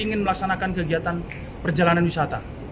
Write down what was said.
ingin melaksanakan kegiatan perjalanan wisata